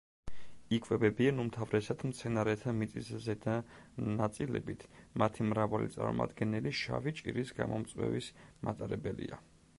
იკვებებიან უმთავრესად მცენარეთა მიწისზედა ნაწილებით; მათი მრავალი წარმომადგენელი შავი ჭირის გამომწვევის მატარებელია.